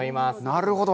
なるほど。